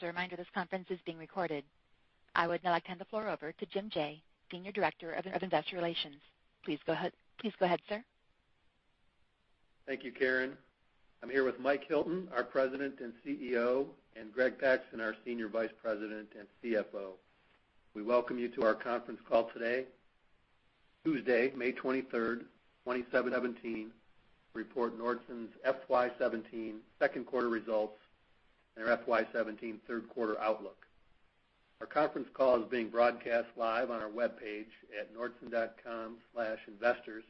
A reminder, this conference is being recorded. I would now like to hand the floor over to Jim Jaye, Senior Director of Investor Relations. Please go ahead, sir. Thank you, Karen. I'm here with Michael F. Hilton, our President and CEO, and Gregory A. Thaxton, our Senior Vice President and CFO. We welcome you to our conference call today, Tuesday, May 23, 2017, to report Nordson's FY 2017 second quarter results and our FY 2017 third quarter outlook. Our conference call is being broadcast live on our webpage at nordson.com/investors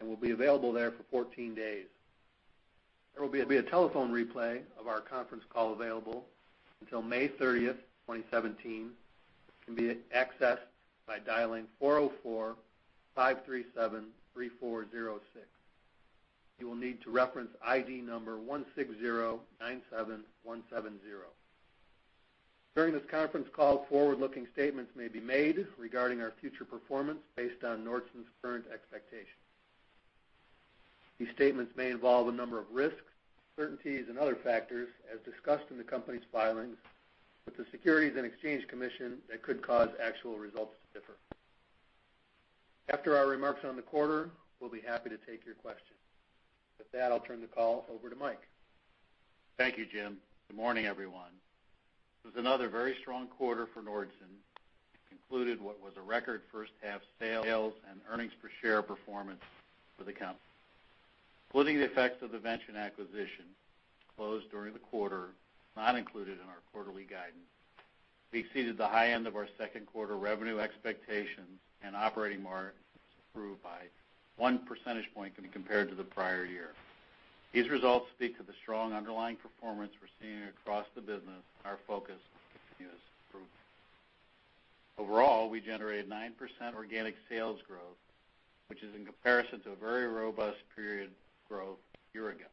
and will be available there for 14 days. There will be a telephone replay of our conference call available until May 30, 2017. It can be accessed by dialing 404-537-3406. You will need to reference ID number 16097170. During this conference call, forward-looking statements may be made regarding our future performance based on Nordson's current expectations. These statements may involve a number of risks, uncertainties, and other factors, as discussed in the company's filings with the Securities and Exchange Commission that could cause actual results to differ. After our remarks on the quarter, we'll be happy to take your questions. With that, I'll turn the call over to Mike. Thank you, Jim. Good morning, everyone. It was another very strong quarter for Nordson, including what was a record first half sales and earnings per share performance for the company. Including the effects of the Vention acquisition closed during the quarter, not included in our quarterly guidance, we exceeded the high end of our second quarter revenue expectations and operating margins improved by 1 percentage point when compared to the prior year. These results speak to the strong underlying performance we're seeing across the business, and our focus continues to improve. Overall, we generated 9% organic sales growth, which is in comparison to a very robust prior period growth a year ago.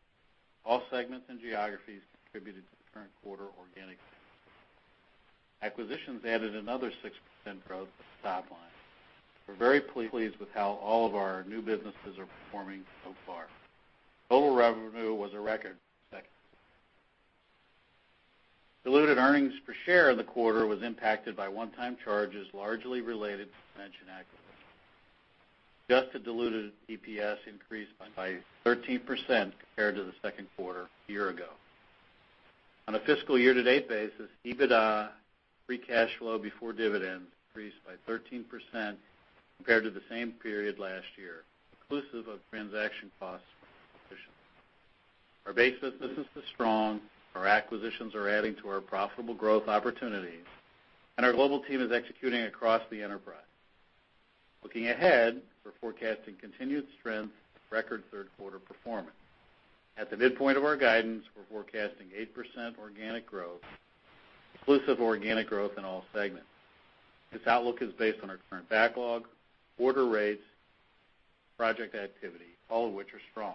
All segments and geographies contributed to the current quarter organic growth. Acquisitions added another 6% growth to the top line. We're very pleased with how all of our new businesses are performing so far. Total revenue was a record for the second quarter. Diluted earnings per share in the quarter was impacted by one-time charges largely related to Vention acquisition. Adjusted diluted EPS increased by 13% compared to the second quarter a year ago. On a fiscal year-to-date basis, EBITDA, free cash flow before dividends increased by 13% compared to the same period last year, inclusive of transaction costs from acquisitions. Our base businesses are strong, our acquisitions are adding to our profitable growth opportunities, and our global team is executing across the enterprise. Looking ahead, we're forecasting continued strength with record third quarter performance. At the midpoint of our guidance, we're forecasting 8% organic growth, inclusive organic growth in all segments. This outlook is based on our current backlog, order rates, project activity, all of which are strong.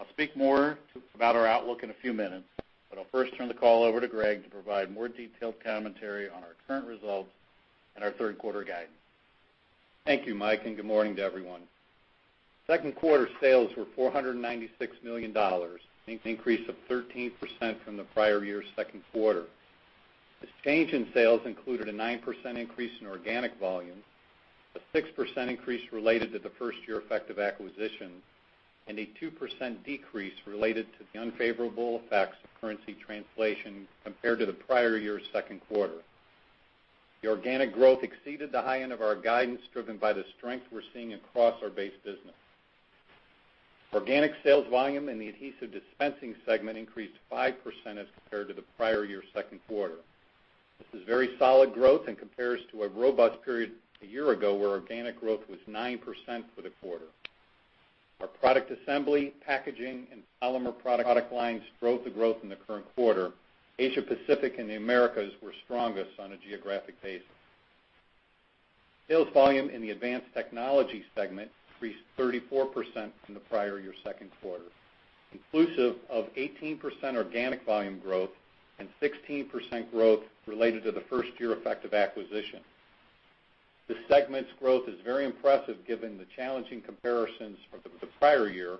I'll speak more about our outlook in a few minutes, but I'll first turn the call over to Greg to provide more detailed commentary on our current results and our third quarter guidance. Thank you, Mike, and good morning to everyone. Second quarter sales were $496 million, an increase of 13% from the prior year's second quarter. This change in sales included a 9% increase in organic volume, a 6% increase related to the first year effect of acquisition, and a 2% decrease related to the unfavorable effects of currency translation compared to the prior year's second quarter. The organic growth exceeded the high end of our guidance, driven by the strength we're seeing across our base business. Organic sales volume in the Adhesive Dispensing segment increased 5% as compared to the prior year's second quarter. This is very solid growth and compares to a robust period a year ago, where organic growth was 9% for the quarter. Our Product Assembly, Packaging, and Polymer product lines drove the growth in the current quarter. Asia Pacific and the Americas were strongest on a geographic basis. Sales volume in the Advanced Technology segment increased 34% from the prior year's second quarter, inclusive of 18% organic volume growth and 16% growth related to the first year effect of acquisition. This segment's growth is very impressive given the challenging comparisons of the prior year,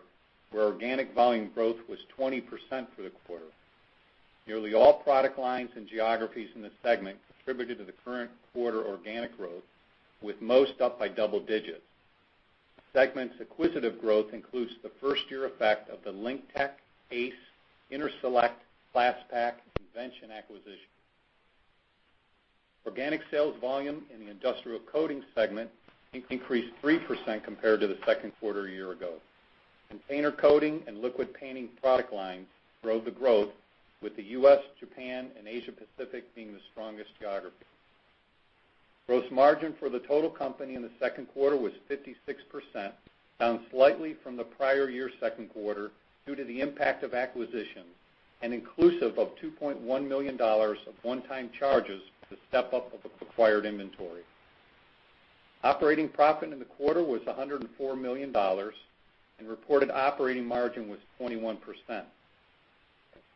where organic volume growth was 20% for the quarter. Nearly all product lines and geographies in this segment contributed to the current quarter organic growth, with most up by double digits. The segment's acquisitive growth includes the first year effect of the LinkTech, ACE, InterSelect, Plas-Pak, and Vention acquisition. Organic sales volume in the Industrial Coating segment increased 3% compared to the second quarter a year ago. Container Coating and Liquid Painting product lines drove the growth, with the U.S., Japan, and Asia Pacific being the strongest geographies. Gross margin for the total company in the second quarter was 56%, down slightly from the prior year's second quarter due to the impact of acquisitions and inclusive of $2.1 million of one-time charges for the step-up of acquired inventory. Operating profit in the quarter was $104 million, and reported operating margin was 21%.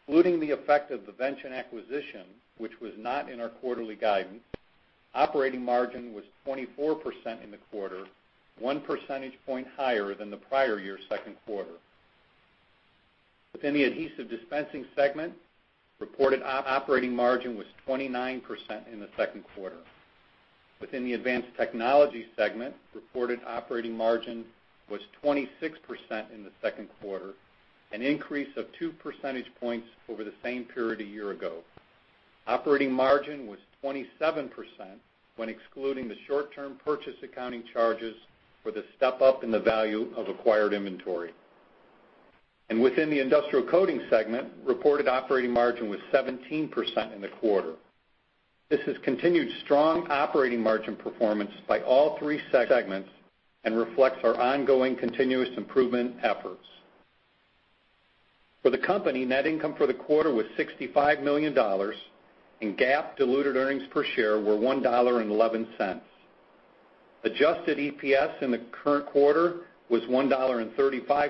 Excluding the effect of the Vention acquisition, which was not in our quarterly guidance, operating margin was 24% in the quarter, one percentage point higher than the prior year second quarter. Within the Adhesive Dispensing segment, reported operating margin was 29% in the second quarter. Within the Advanced Technology segment, reported operating margin was 26% in the second quarter, an increase of 2 percentage points over the same period a year ago. Operating margin was 27% when excluding the short-term purchase accounting charges for the step-up in the value of acquired inventory. Within the Industrial Coating segment, reported operating margin was 17% in the quarter. This is continued strong operating margin performance by all three segments and reflects our ongoing continuous improvement efforts. For the company, net income for the quarter was $65 million, and GAAP diluted earnings per share were $1.11. Adjusted EPS in the current quarter was $1.35,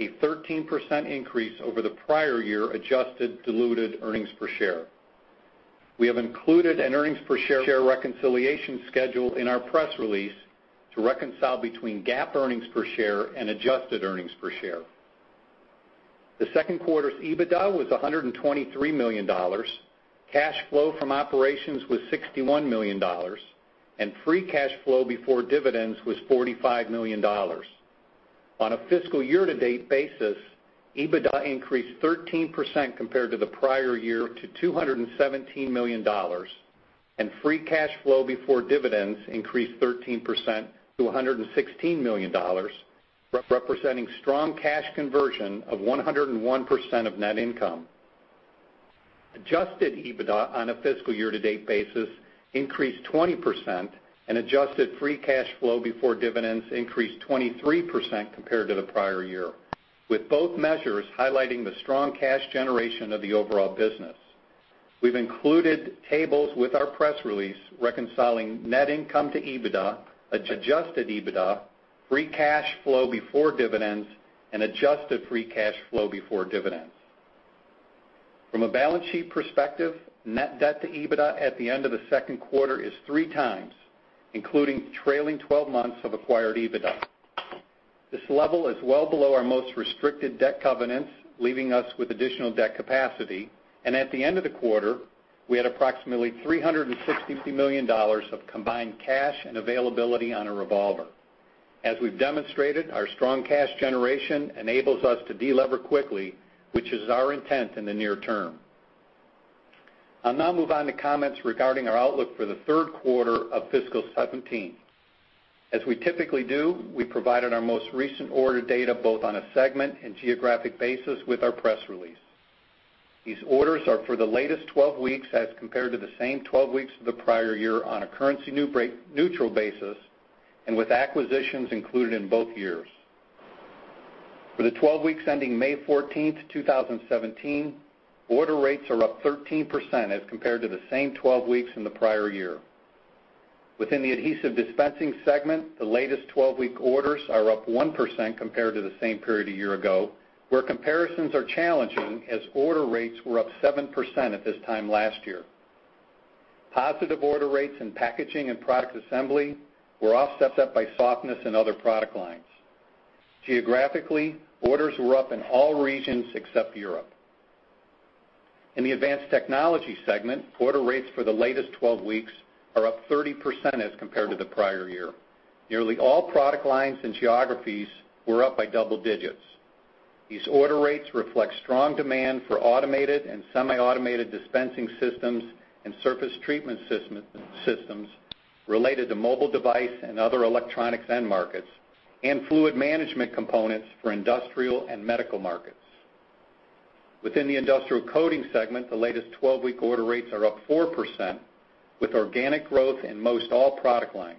a 13% increase over the prior year adjusted diluted earnings per share. We have included an earnings per share reconciliation schedule in our press release to reconcile between GAAP earnings per share and adjusted earnings per share. The second quarter's EBITDA was $123 million, cash flow from operations was $61 million, and free cash flow before dividends was $45 million. On a fiscal year-to-date basis, EBITDA increased 13% compared to the prior year to $217 million, and free cash flow before dividends increased 13% to $116 million, representing strong cash conversion of 101% of net income. Adjusted EBITDA on a fiscal year-to-date basis increased 20%, and adjusted free cash flow before dividends increased 23% compared to the prior year, with both measures highlighting the strong cash generation of the overall business. We've included tables with our press release reconciling net income to EBITDA, adjusted EBITDA, free cash flow before dividends, and adjusted free cash flow before dividends. From a balance sheet perspective, net debt-to-EBITDA at the end of the second quarter is 3x, including trailing twelve months of acquired EBITDA. This level is well below our most restricted debt covenants, leaving us with additional debt capacity. At the end of the quarter, we had approximately $362 million of combined cash and availability on a revolver. As we've demonstrated, our strong cash generation enables us to delever quickly, which is our intent in the near term. I'll now move on to comments regarding our outlook for the third quarter of fiscal 2017. As we typically do, we provided our most recent order data, both on a segment and geographic basis, with our press release. These orders are for the latest twelve weeks as compared to the same twelve weeks of the prior year on a currency neutral basis, and with acquisitions included in both years. For the twelve weeks ending May 14, 2017, order rates are up 13% as compared to the same twelve weeks in the prior year. Within the Adhesive Dispensing segment, the latest twelve-week orders are up 1% compared to the same period a year ago, where comparisons are challenging as order rates were up 7% at this time last year. Positive order rates in packaging and product assembly were offset by softness in other product lines. Geographically, orders were up in all regions except Europe. In the Advanced Technology segment, order rates for the latest twelve weeks are up 30% as compared to the prior year. Nearly all product lines and geographies were up by double digits. These order rates reflect strong demand for automated and semi-automated dispensing systems and surface treatment systems related to mobile device and other electronics end markets and fluid management components for industrial and medical markets. Within the Industrial Coating segment, the latest 12-week order rates are up 4%, with organic growth in most all product lines.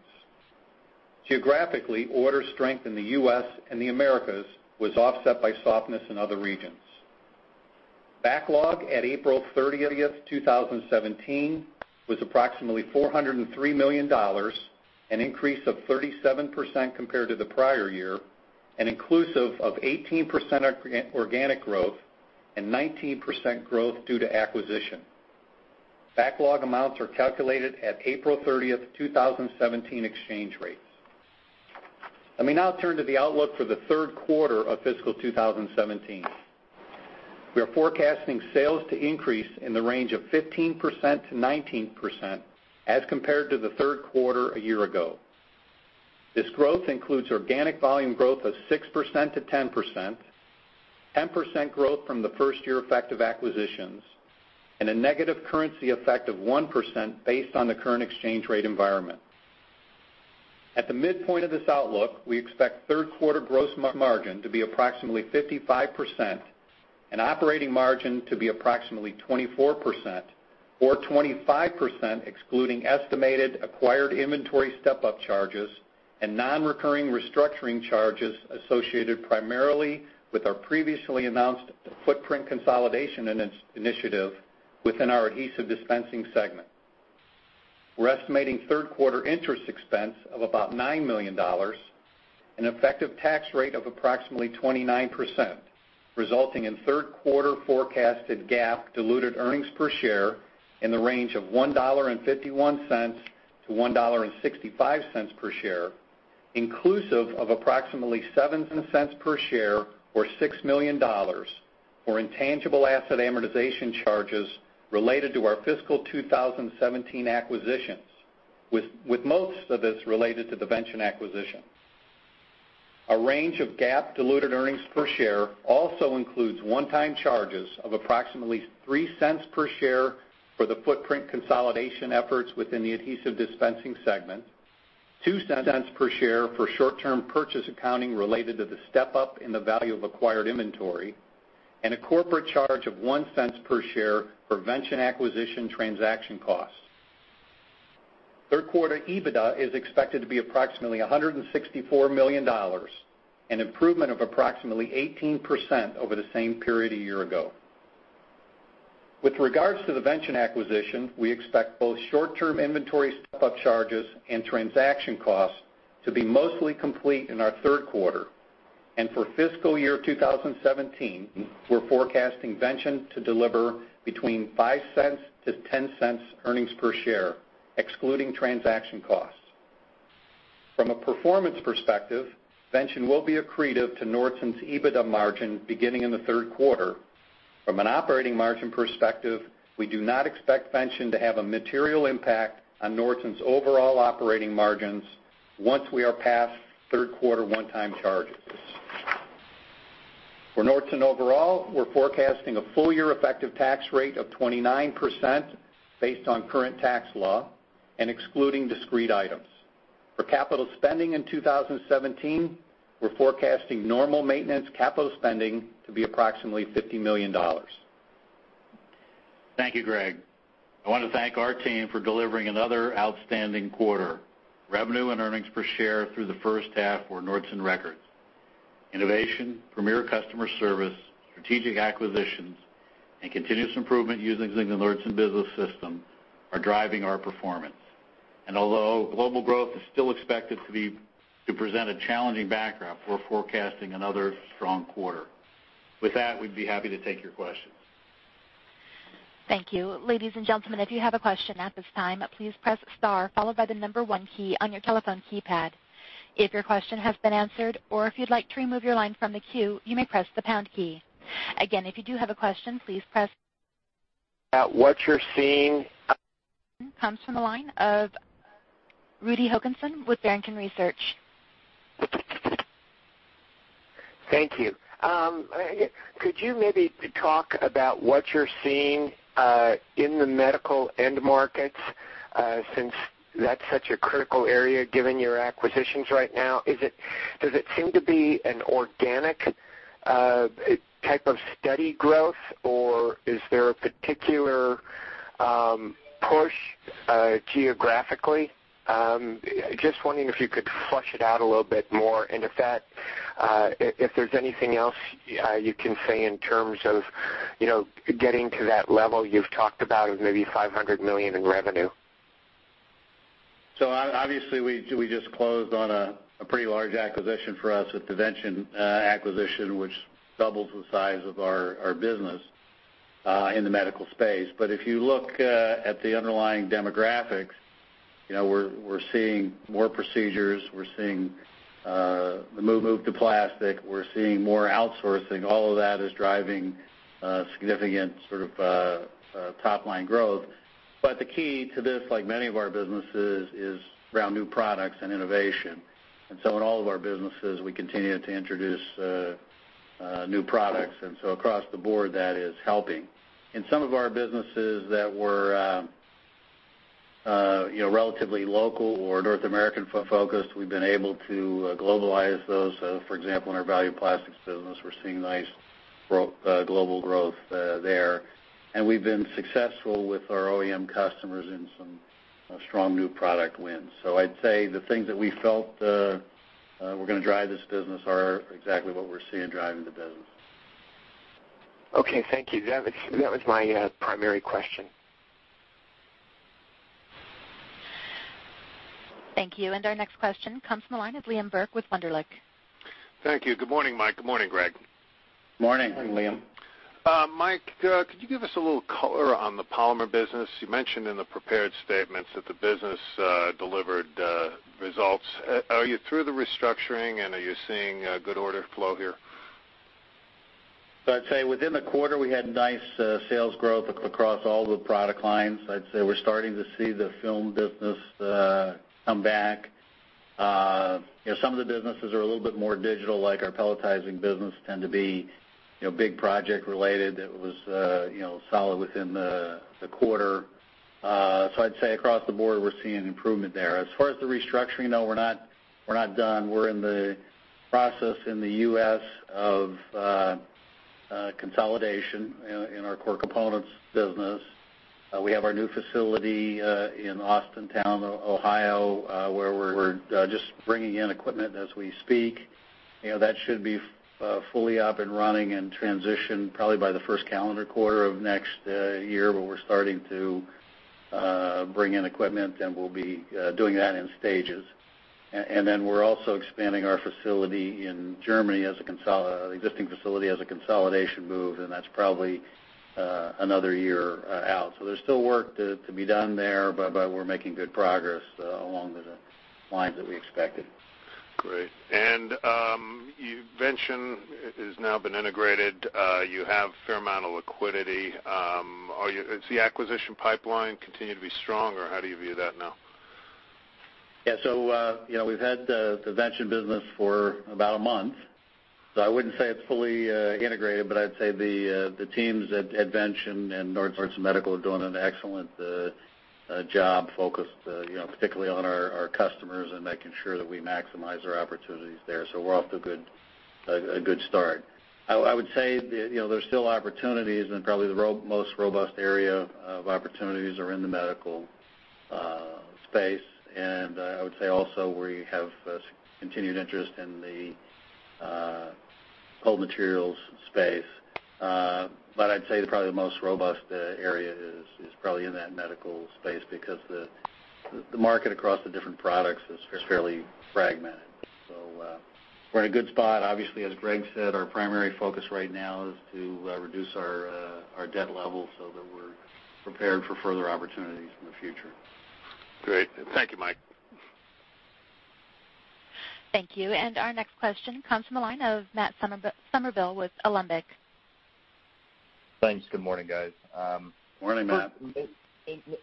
Geographically, order strength in the U.S. and the Americas was offset by softness in other regions. Backlog at April 30th, 2017 was approximately $403 million, an increase of 37% compared to the prior year, and inclusive of 18% organic growth and 19% growth due to acquisition. Backlog amounts are calculated at April 30th, 2017 exchange rates. Let me now turn to the outlook for the third quarter of fiscal 2017. We are forecasting sales to increase in the range of 15%-19% as compared to the third quarter a year ago. This growth includes organic volume growth of 6%-10%, 10% growth from the first year effect of acquisitions, and a negative currency effect of 1% based on the current exchange rate environment. At the midpoint of this outlook, we expect third quarter gross margin to be approximately 55% and operating margin to be approximately 24% or 25%, excluding estimated acquired inventory step-up charges and non-recurring restructuring charges associated primarily with our previously announced footprint consolidation initiative within our Adhesive Dispensing segment. We're estimating third quarter interest expense of about $9 million. An effective tax rate of approximately 29%, resulting in third quarter forecasted GAAP diluted earnings per share in the range of $1.51-$1.65 per share, inclusive of approximately $0.07 per share or $6 million for intangible asset amortization charges related to our fiscal 2017 acquisitions, with most of this related to the Vention acquisition. A range of GAAP diluted earnings per share also includes one-time charges of approximately $0.03 per share for the footprint consolidation efforts within the Adhesive Dispensing segment, $0.02 per share for short-term purchase accounting related to the step-up in the value of acquired inventory, and a corporate charge of $0.01 per share for Vention acquisition transaction costs. Third quarter EBITDA is expected to be approximately $164 million, an improvement of approximately 18% over the same period a year ago. With regards to the Vention acquisition, we expect both short-term inventory step-up charges and transaction costs to be mostly complete in our third quarter. For fiscal year 2017, we're forecasting Vention to deliver between $0.05 to $0.10 earnings per share, excluding transaction costs. From a performance perspective, Vention will be accretive to Nordson's EBITDA margin beginning in the third quarter. From an operating margin perspective, we do not expect Vention to have a material impact on Nordson's overall operating margins once we are past third quarter one-time charges. For Nordson overall, we're forecasting a full-year effective tax rate of 29% based on current tax law and excluding discrete items. For capital spending in 2017, we're forecasting normal maintenance capital spending to be approximately $50 million. Thank you, Greg. I wanna thank our team for delivering another outstanding quarter. Revenue and earnings per share through the first half were Nordson records. Innovation, premier customer service, strategic acquisitions, and continuous improvement using the Nordson Business System are driving our performance. Although global growth is still expected to present a challenging backdrop, we're forecasting another strong quarter. With that, we'd be happy to take your questions. Thank you. Ladies and gentlemen, if you have a question at this time, please press star followed by the one key on your telephone keypad. If your question has been answered, or if you'd like to remove your line from the queue, you may press the pound key. Again, if you do have a question, please press- At what you're seeing- Comes from the line of Rudy Hokanson with Barrington Research. Thank you. Could you maybe talk about what you're seeing in the medical end markets since that's such a critical area, given your acquisitions right now? Does it seem to be an organic type of steady growth, or is there a particular push geographically? Just wondering if you could flesh it out a little bit more, and if there's anything else you can say in terms of, you know, getting to that level you've talked about of maybe $500 million in revenue. Obviously, we just closed on a pretty large acquisition for us with the Vention acquisition, which doubles the size of our business in the medical space. If you look at the underlying demographics, you know, we're seeing more procedures. We're seeing the move to plastic. We're seeing more outsourcing. All of that is driving significant sort of top-line growth. The key to this, like many of our businesses, is around new products and innovation. In all of our businesses, we continue to introduce new products, and so across the board, that is helping. In some of our businesses that were, you know, relatively local or North American focused, we've been able to globalize those. For example, in our Value Plastics business, we're seeing nice global growth there. We've been successful with our OEM customers in some strong new product wins. I'd say the things that we felt were gonna drive this business are exactly what we're seeing driving the business. Okay, thank you. That was my primary question. Thank you. Our next question comes from the line of Liam Burke with Wunderlich. Thank you. Good morning, Mike. Good morning, Greg. Morning. Morning, Liam. Mike, could you give us a little color on the polymer business? You mentioned in the prepared statements that the business delivered results. Are you through the restructuring, and are you seeing good order flow here? I'd say within the quarter, we had nice sales growth across all the product lines. I'd say we're starting to see the film business come back. You know, some of the businesses are a little bit more lumpy, like our pelletizing business tend to be, you know, big project related. It was you know solid within the quarter. I'd say across the board, we're seeing improvement there. As far as the restructuring, no, we're not done. We're in the process in the U.S. of consolidation in our core components business. We have our new facility in Austintown, Ohio, where we're just bringing in equipment as we speak. You know, that should be fully up and running and transitioned probably by the first calendar quarter of next year, where we're starting to bring in equipment, and we'll be doing that in stages. And then, we're also expanding our facility in Germany, the existing facility, as a consolidation move, and that's probably another year out. There's still work to be done there, but we're making good progress along the lines that we expected. Great. Vention has now been integrated. You have a fair amount of liquidity. Does the acquisition pipeline continue to be strong, or how do you view that now? Yeah, you know, we've had the Vention business for about a month, so I wouldn't say it's fully integrated. But I'd say the teams at Vention and Nordson Medical are doing an excellent job, focused, you know, particularly on our customers and making sure that we maximize our opportunities there. We're off to a good start. I would say, you know, there's still opportunities and probably the most robust area of opportunities are in the medical space. I would say also we have continued interest in the cold materials space. But I'd say probably the most robust area is probably in that medical space because the market across the different products is fairly fragmented. We're in a good spot. Obviously, as Greg said, our primary focus right now is to reduce our debt level so that we're prepared for further opportunities in the future. Great. Thank you, Mike. Thank you. Our next question comes from the line of Matt Summerville with Alembic. Thanks. Good morning, guys. Morning, Matt.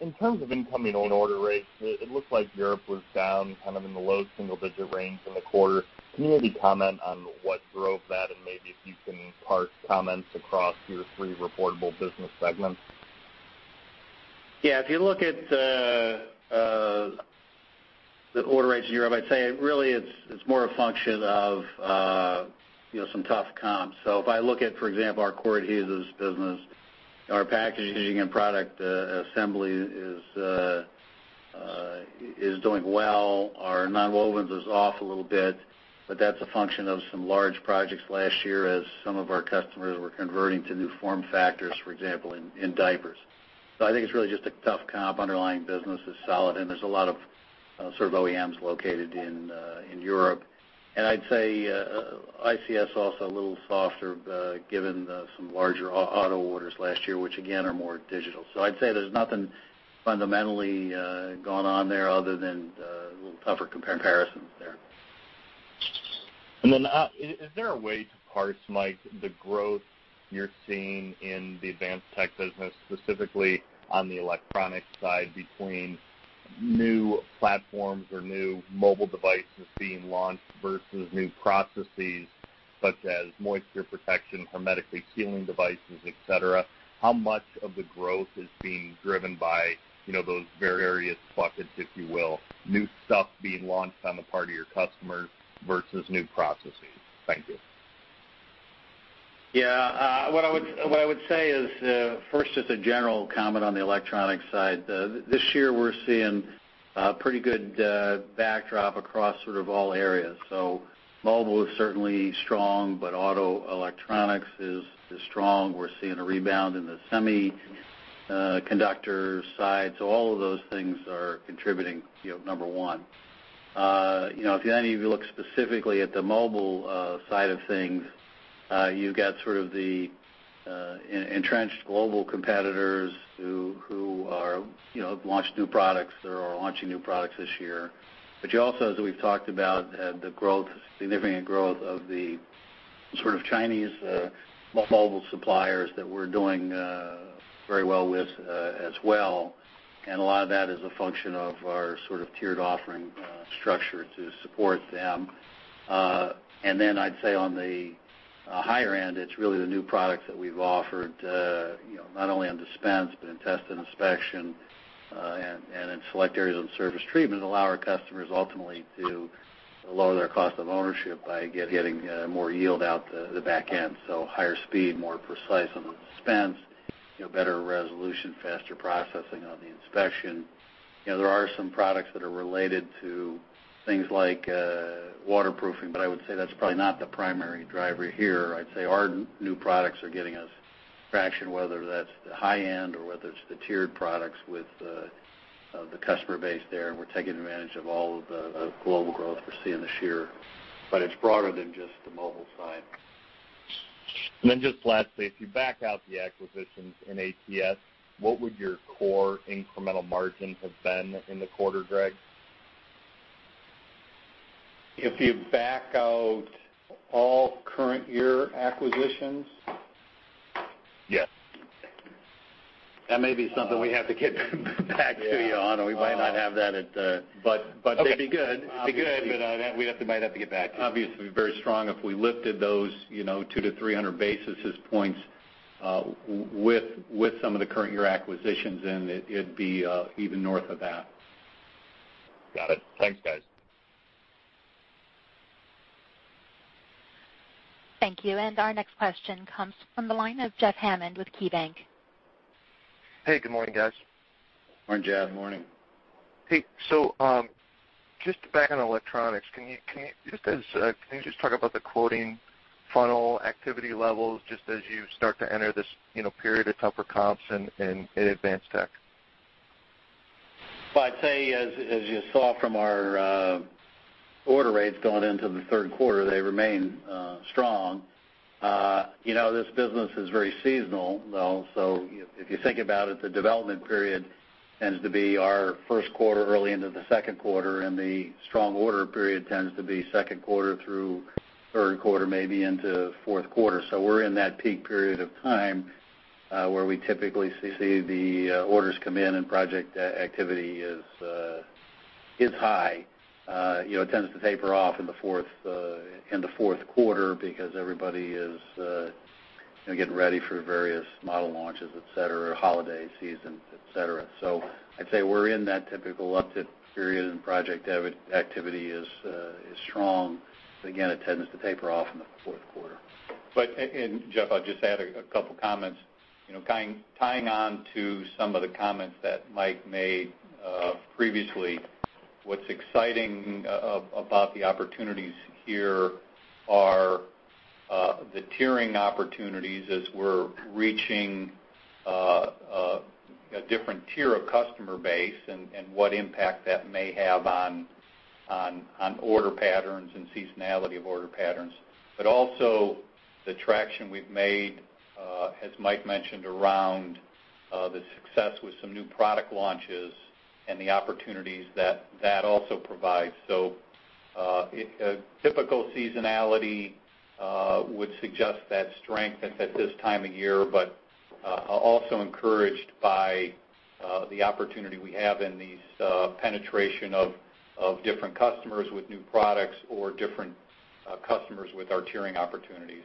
In terms of incoming on order rates, it looks like Europe was down kind of in the low single-digit range in the quarter. Can you maybe comment on what drove that, and maybe if you can parse comments across your three reportable business segments? Yeah. If you look at the order rates in Europe, I'd say really it's more a function of you know some tough comps. If I look at, for example, our core adhesives business, our Packaging and Product Assembly is doing well. Our Nonwovens is off a little bit, but that's a function of some large projects last year as some of our customers were converting to new form factors, for example, in diapers. I think it's really just a tough comp. Underlying business is solid, and there's a lot of sort of OEMs located in Europe. I'd say ICS also a little softer given some larger auto orders last year, which again are more lumpy. I'd say there's nothing fundamentally going on there other than a little tougher comparisons there. Is there a way to parse, Mike, the growth you're seeing in the advanced tech business, specifically on the electronic side between new platforms or new mobile devices being launched versus new processes such as moisture protection, hermetically sealing devices, et cetera? How much of the growth is being driven by, you know, those various buckets, if you will, new stuff being launched on the part of your customers versus new processes? Thank you. What I would say is first, just a general comment on the electronics side. This year we're seeing pretty good backdrop across sort of all areas. Mobile is certainly strong, but auto electronics is strong. We're seeing a rebound in the semiconductor side. All of those things are contributing, you know, number one. If any of you look specifically at the mobile side of things, you've got sort of the entrenched global competitors who are, you know, have launched new products or are launching new products this year. You also, as we've talked about, the growth, significant growth of the sort of Chinese mobile suppliers that we're doing very well with, as well. A lot of that is a function of our sort of tiered offering structure to support them. I'd say on the higher end, it's really the new products that we've offered, you know, not only on dispense but in test and inspection, and in select areas of surface treatment, allow our customers ultimately to lower their cost of ownership by getting more yield out the back end. Higher speed, more precise on the dispense, you know, better resolution, faster processing on the inspection. You know, there are some products that are related to things like waterproofing, but I would say that's probably not the primary driver here. I'd say our new products are getting us traction, whether that's the high end or whether it's the tiered products with the customer base there, and we're taking advantage of all of the global growth we're seeing this year. It's broader than just the mobile side. Just lastly, if you back out the acquisitions in ATS, what would your core incremental margin have been in the quarter, Greg? If you back out all current year acquisitions? Yes. That may be something we have to get back to you on, or we might not have that at. It'd be good, it'd be good, but might have to get back to you. Obviously very strong. If we lifted those, you know, 200-300 basis points with some of the current year acquisitions in, it'd be even north of that. Got it. Thanks, guys. Thank you. Our next question comes from the line of Jeff Hammond with KeyBanc Capital Markets. Hey, good morning, guys. Morning, Jeff. Morning. Hey, just back on electronics, can you just talk about the quoting funnel activity levels just as you start to enter this, you know, period of tougher comps in advanced tech? Well, I'd say as you saw from our order rates going into the third quarter, they remain strong. You know, this business is very seasonal, though, so if you think about it, the development period tends to be our first quarter, early into the second quarter, and the strong order period tends to be second quarter through third quarter, maybe into fourth quarter. We're in that peak period of time where we typically see the orders come in and project activity is high. You know, it tends to taper off in the fourth quarter because everybody is you know, getting ready for various model launches, et cetera, holiday season, et cetera. I'd say we're in that typical uptick period, and project activity is strong. Again, it tends to taper off in the fourth quarter. Jeff, I'll just add a couple comments. You know, kind of tying on to some of the comments that Mike made previously, what's exciting about the opportunities here are the tiering opportunities as we're reaching a different tier of customer base and what impact that may have on order patterns and seasonality of order patterns. Also the traction we've made, as Mike mentioned, around the success with some new product launches and the opportunities that also provides. A typical seasonality would suggest that strength at this time of year, but also encouraged by the opportunity we have in these penetration of different customers with new products or different customers with our tiering opportunities.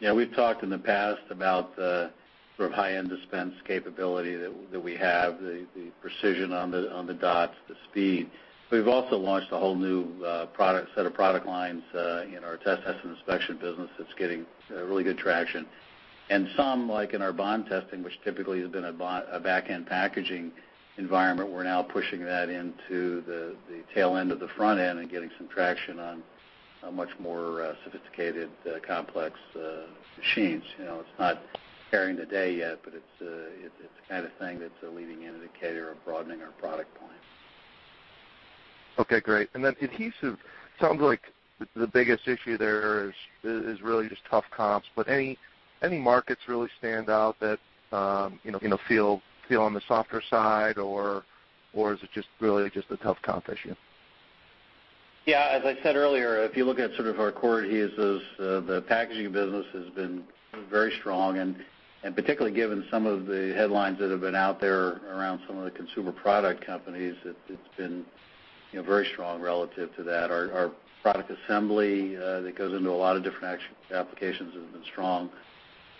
Yeah, we've talked in the past about the sort of high-end dispense capability that we have, the precision on the dots, the speed. We've also launched a whole new product set of product lines in our test and inspection business that's getting really good traction. Some, like in our bond testing, which typically has been a back-end packaging environment, we're now pushing that into the tail end of the front end and getting some traction on much more sophisticated complex machines. You know, it's not carrying the day yet, but it's the kind of thing that's a leading indicator of broadening our product point. Okay, great. Then adhesive sounds like the biggest issue there is really just tough comps. Any markets really stand out that you know feel on the softer side, or is it just really a tough comp issue? Yeah, as I said earlier, if you look at sort of our core adhesives, the Packaging business has been very strong. Particularly given some of the headlines that have been out there around some of the consumer product companies, it's been, you know, very strong relative to that. Our Product Assembly that goes into a lot of different applications has been strong.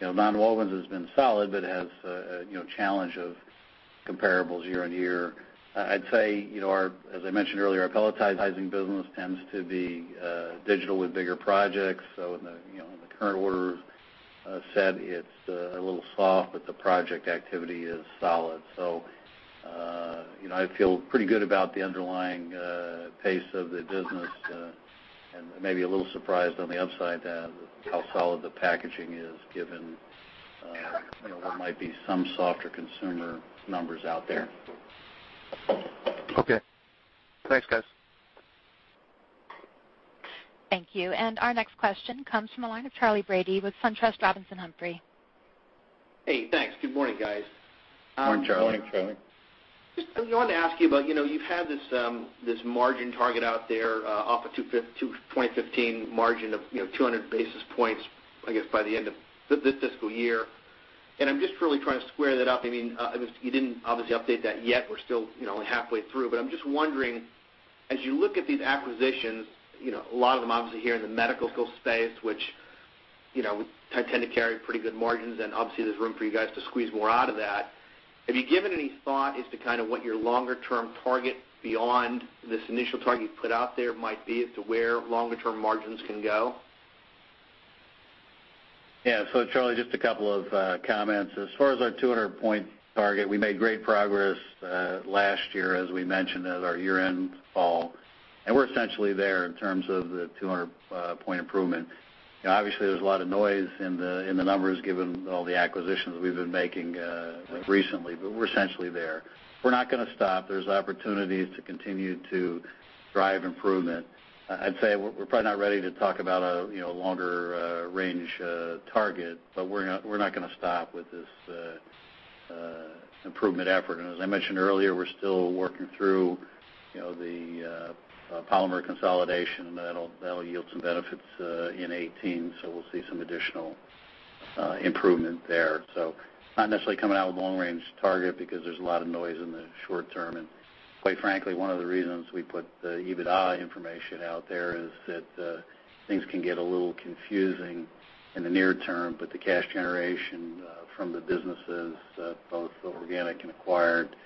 You know, Nonwovens has been solid, but has a you know, challenge of comparables year-over-year. I'd say, you know, our, as I mentioned earlier, our Pelletizing business tends to be lumpy with bigger projects. In the current order set, it's a little soft, but the project activity is solid. You know, I feel pretty good about the underlying pace of the business, and maybe a little surprised on the upside, how solid the packaging is given, you know, what might be some softer consumer numbers out there. Okay. Thanks, guys. Thank you. Our next question comes from the line of Charley Brady with SunTrust Robinson Humphrey. Hey, thanks. Good morning, guys. Morning, Charley. Morning, Charley. I wanted to ask you about, you know, you've had this margin target out there, off of 2015 margin of, you know, 200 basis points, I guess, by the end of this fiscal year. I'm just really trying to square that up. I mean, I guess you didn't obviously update that yet. We're still, you know, only halfway through. I'm just wondering, as you look at these acquisitions, you know, a lot of them obviously here in the medical space, which, you know, tend to carry pretty good margins, and obviously there's room for you guys to squeeze more out of that. Have you given any thought as to kind of what your longer term target beyond this initial target you put out there might be as to where longer term margins can go? Yeah. Charley, just a couple of comments. As far as our 200-point target, we made great progress last year as we mentioned at our year-end call, and we're essentially there in terms of the 200-point improvement. You know, obviously, there's a lot of noise in the numbers given all the acquisitions we've been making recently, but we're essentially there. We're not gonna stop. There's opportunities to continue to drive improvement. I'd say we're probably not ready to talk about a longer range target, but we're not gonna stop with this improvement effort. As I mentioned earlier, we're still working through the polymer consolidation. That'll yield some benefits in 2018, so we'll see some additional improvement there. Not necessarily coming out with long range target because there's a lot of noise in the short term. Quite frankly, one of the reasons we put the EBITDA information out there is that things can get a little confusing in the near term, but the cash generation from the businesses both the organic and acquired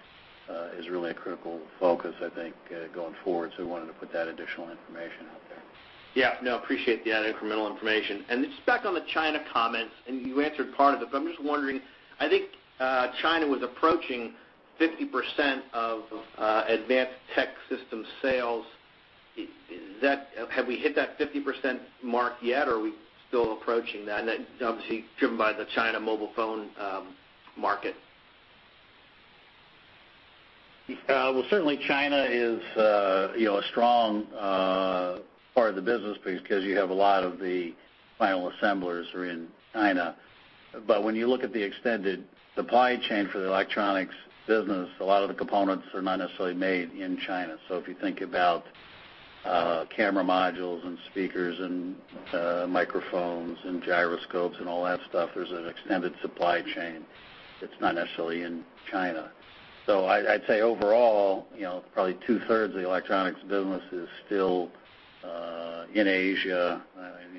is really a critical focus, I think, going forward, so we wanted to put that additional information out there. Yeah, no, appreciate the added incremental information. Just back on the China comments, and you answered part of it, but I'm just wondering, I think, China was approaching 50% of Advanced Technology Solutions sales. Have we hit that 50% mark yet or are we still approaching that? That's obviously driven by the China mobile phone market. Well, certainly China is, you know, a strong part of the business because you have a lot of the final assemblers are in China. When you look at the extended supply chain for the electronics business, a lot of the components are not necessarily made in China. If you think about camera modules and speakers and microphones and gyroscopes and all that stuff, there's an extended supply chain that's not necessarily in China. I'd say overall, you know, probably two-thirds of the electronics business is still in Asia.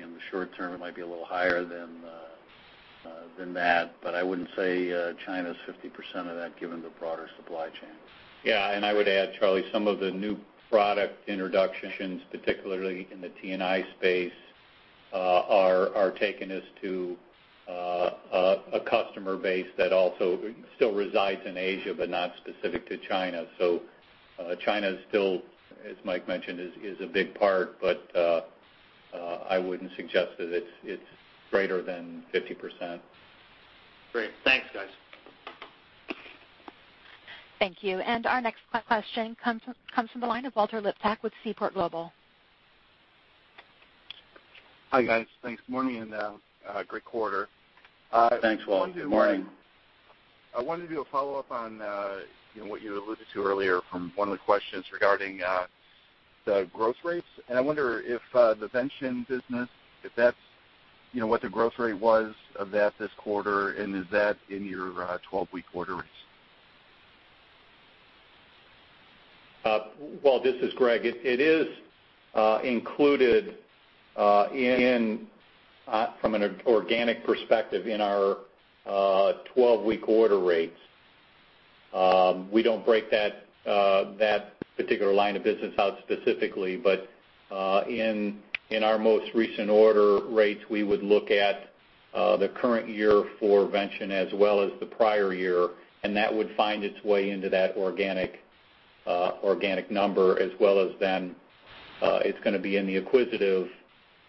In the short term, it might be a little higher than that, but I wouldn't say China is 50% of that given the broader supply chain. Yeah, I would add, Charlie, some of the new product introductions, particularly in the T&I space, are taking us to a customer base that also still resides in Asia, but not specific to China. China is still, as Mike mentioned, a big part, but I wouldn't suggest that it's greater than 50%. Great. Thanks, guys. Thank you. Our next question comes from the line of Walter Liptak with Seaport Global. Hi, guys. Thanks. Morning, and great quarter. Thanks, Walt. Good morning. I wanted to do a follow-up on, you know, what you alluded to earlier from one of the questions regarding the growth rates. I wonder if the Vention business, if that's, you know, what the growth rate was of that this quarter, and is that in your 12-week order rates? Walt, this is Greg. It is included from an organic perspective in our 12-week order rates. We don't break that particular line of business out specifically. In our most recent order rates, we would look at the current year for Vention as well as the prior year, and that would find its way into that organic number, as well as then it's gonna be in the acquisitive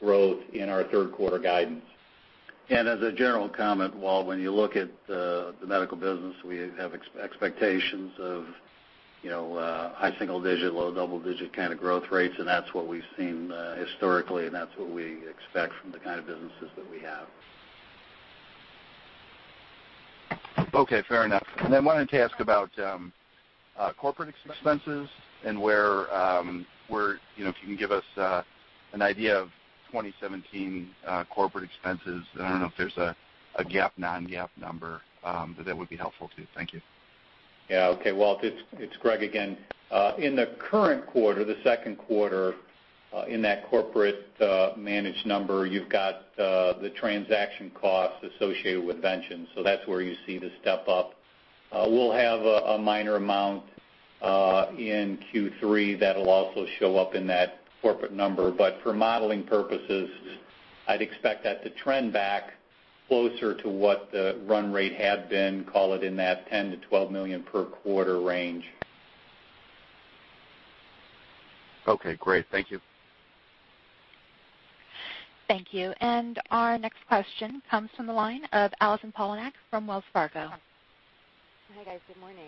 growth in our third quarter guidance. As a general comment, Walt, when you look at the medical business, we have expectations of, you know, high single-digit, low double-digit kinda growth rates, and that's what we've seen historically, and that's what we expect from the kind of businesses that we have. Okay. Fair enough. Wanted to ask about corporate expenses and where, you know, if you can give us an idea of 2017 corporate expenses, and I don't know if there's a GAAP, non-GAAP number, but that would be helpful too. Thank you. Yeah. Okay. Walt, it's Greg again. In the current quarter, the second quarter, in that corporate managed number, you've got the transaction costs associated with Vention, so that's where you see the step up. We'll have a minor amount in Q3 that'll also show up in that corporate number. For modeling purposes, I'd expect that to trend back closer to what the run rate had been, call it in that $10 million-$12 million per quarter range. Okay. Great. Thank you. Thank you. Our next question comes from the line of Allison Poliniak-Cusic from Wells Fargo. Hi, guys. Good morning.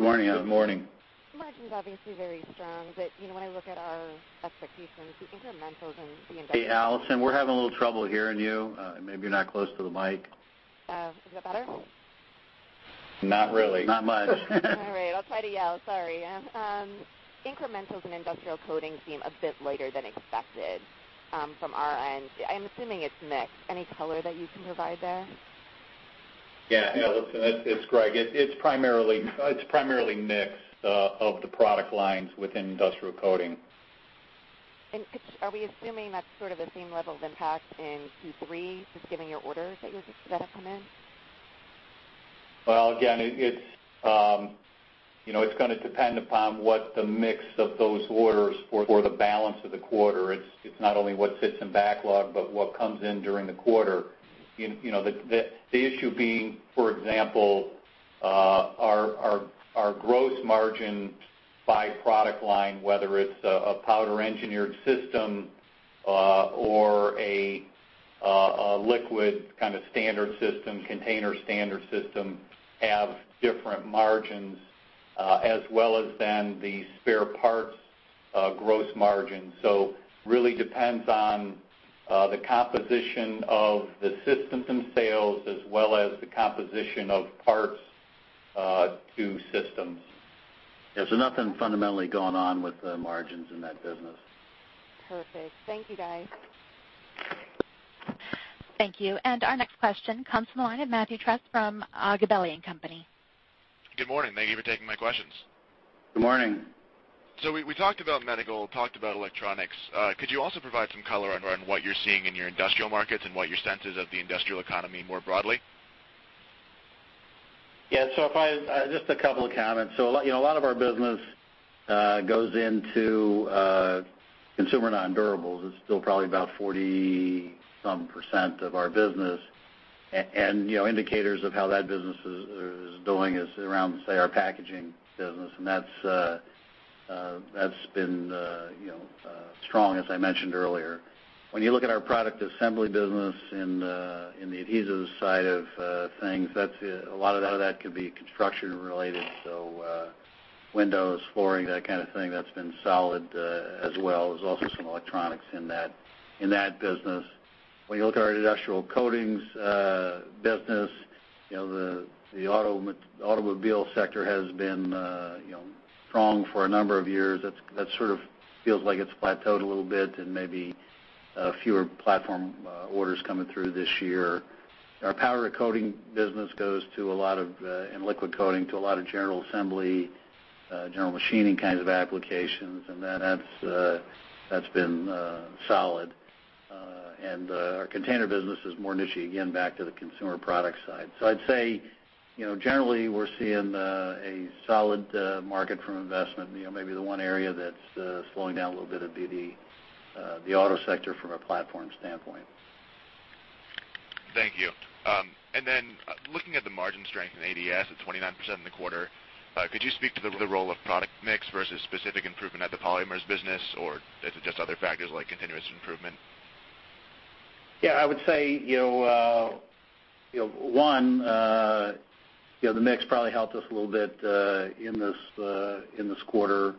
Morning, Allison. Morning. Margins obviously very strong, but, you know, when I look at our expectations, the incrementals and the investment- Hey, Allison, we're having a little trouble hearing you. Maybe you're not close to the mic. Is that better? Not really. Not much. All right. I'll try to yell. Sorry. Incrementals in Industrial Coating seem a bit lighter than expected, from our end. I'm assuming it's mix. Any color that you can provide there? Yeah, listen, it's Greg. It's primarily mix of the product lines within Industrial Coating. Are we assuming that's sort of the same level of impact in Q3, just given your orders that have come in? Well, again, it's gonna depend upon what the mix of those orders for the balance of the quarter. It's not only what sits in backlog, but what comes in during the quarter. You know, the issue being, for example, our gross margin by product line, whether it's a powder engineered system, or a liquid kinda standard system, container standard system, have different margins, as well as then the spare parts gross margin. Really depends on the composition of the systems and sales as well as the composition of parts to systems. Nothing fundamentally going on with the margins in that business. Perfect. Thank you, guys. Thank you. Our next question comes from the line of Matthew Trusz from Gabelli & Company. Good morning. Thank you for taking my question. Good morning. We talked about medical, talked about electronics. Could you also provide some color on what you're seeing in your industrial markets and what your sense is of the industrial economy more broadly? Yeah. If I just a couple of comments. You know, a lot of our business goes into consumer nondurables. It's still probably about 40-some% of our business. You know, indicators of how that business is doing is around, say, our Packaging business, and that's been strong, as I mentioned earlier. When you look at our Product Assembly business in the adhesives side of things, that's a lot of that could be construction related, windows, flooring, that kind of thing, that's been solid as well. There's also some electronics in that business. When you look at our Industrial Coatings business, you know, the automobile sector has been strong for a number of years. That sort of feels like it's plateaued a little bit and maybe fewer platform orders coming through this year. Our powder coating business goes to a lot of and liquid coating to a lot of general assembly general machining kinds of applications, and that's been solid. Our container business is more niche-y, again, back to the consumer product side. I'd say, you know, generally we're seeing a solid market from investment. You know, maybe the one area that's slowing down a little bit would be the auto sector from a platform standpoint. Thank you. Looking at the margin strength in ADS at 29% in the quarter, could you speak to the role of product mix versus specific improvement at the polymers business? Or is it just other factors like continuous improvement? Yeah. I would say, you know, the mix probably helped us a little bit in this quarter.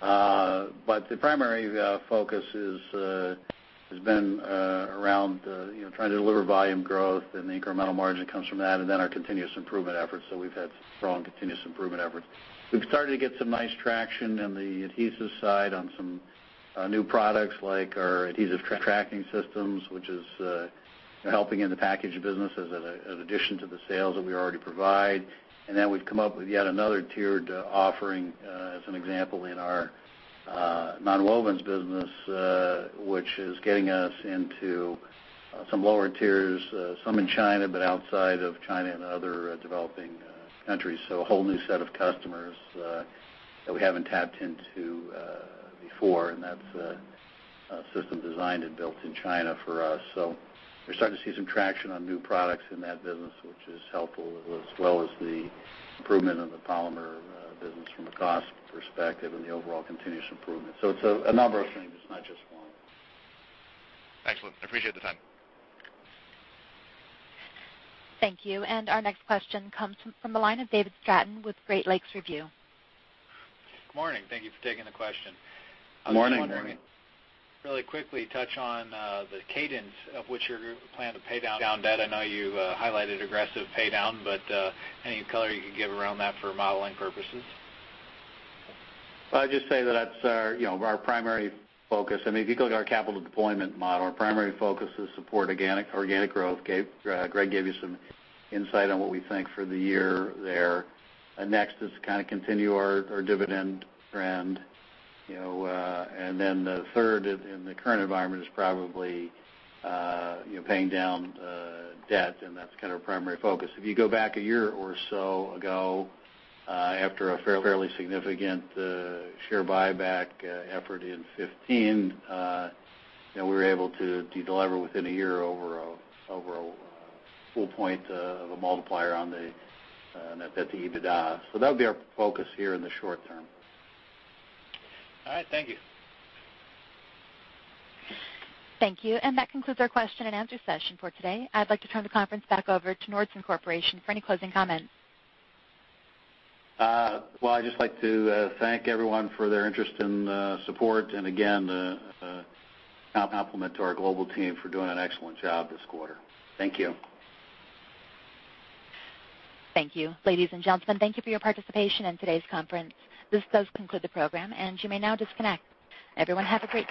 The primary focus has been around, you know, trying to deliver volume growth and the incremental margin comes from that, and then our continuous improvement efforts. We've had strong continuous improvement efforts. We've started to get some nice traction on the adhesive side on some new products like our Adhesive Tracking System, which is helping in the package business as an addition to the sales that we already provide. We've come up with yet another tiered offering, as an example in our Nonwovens business, which is getting us into some lower tiers, some in China, but outside of China and other developing countries. A whole new set of customers that we haven't tapped into before, and that's a system designed and built in China for us. We're starting to see some traction on new products in that business, which is helpful, as well as the improvement in the polymer business from a cost perspective and the overall continuous improvement. It's a number of things, not just one. Excellent. I appreciate the time. Thank you. Our next question comes from the line of David Stratton with Great Lakes Review. Good morning. Thank you for taking the question. Good morning. I was wondering, really quickly touch on the cadence of which your group plan to pay down debt. I know you highlighted aggressive pay down, but any color you could give around that for modeling purposes? I'd just say that that's our, you know, our primary focus. I mean, if you go to our capital deployment model, our primary focus is support organic growth. Greg gave you some insight on what we think for the year there. Next is kind of continue our dividend trend, you know, and then the third in the current environment is probably, you know, paying down debt, and that's kind of our primary focus. If you go back a year or so ago, after a fairly significant share buyback effort in 2015, you know, we were able to deliver within a year over a full point of a multiplier on the EBITDA. That'll be our focus here in the short term. All right. Thank you. Thank you. That concludes our question and answer session for today. I'd like to turn the conference back over to Nordson Corporation for any closing comments. Well, I'd just like to thank everyone for their interest and support. Again, compliments to our global team for doing an excellent job this quarter. Thank you. Thank you. Ladies and gentlemen, thank you for your participation in today's conference. This does conclude the program, and you may now disconnect. Everyone, have a great day.